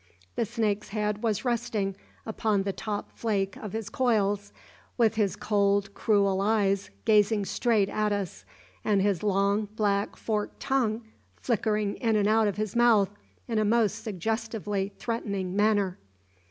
The snake's head was resting upon the top flake of his coils, with his cold, cruel eyes gazing straight at us, and his long, black, forked tongue flickering in and out of his mouth in a most suggestively threatening manner.